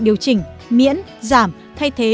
điều chỉnh miễn giảm thay thế